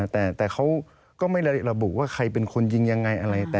แต่เขาก็ไม่ระบุว่าใครเป็นคนยิงยังไงอะไร